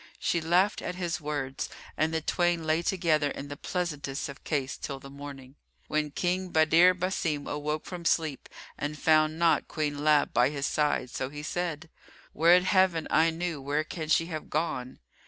She laughed at his words and the twain lay together in the pleasantest of case till the morning, when King Badr Basim awoke from sleep and found not Queen Lab by his side, so he said, "Would Heaven I knew where can she have gone!"